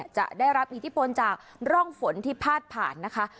จะได้รับอิทธิพลจากร่องฝนที่พาดผ่านนะคะ